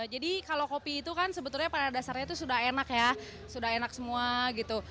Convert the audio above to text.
jadi kalau kopi itu kan sebetulnya pada dasarnya itu sudah enak ya sudah enak semua gitu